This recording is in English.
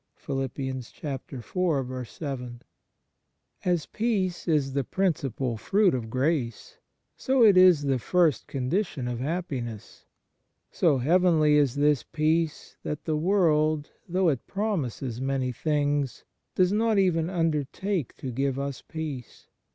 1 As peace is the principal fruit of grace, so it is the first condition of happiness. So heavenly is this peace that the world, though it promises many things, does not even undertake to give us peace.